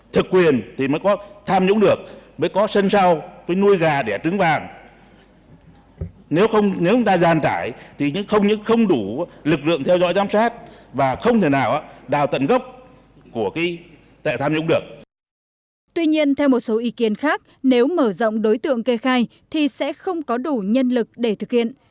tuy nhiên theo một số ý kiến khác nếu mở rộng đối tượng kê khai thì sẽ không có đủ nhân lực để thực hiện